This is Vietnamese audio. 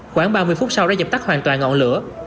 khoảng ba mươi phút sau đã dập tắt hoàn toàn ngọn lửa